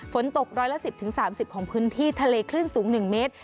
ฝนตกร้อยละ๑๐๓๐ของพื้นที่ทะเลคลื่นสูง๑เมตร